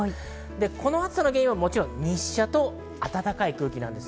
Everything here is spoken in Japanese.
この暑さの原因、日射と暖かい空気です。